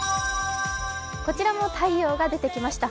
こちらも太陽が出てきました。